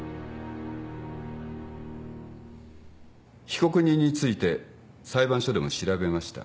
被告人について裁判所でも調べました。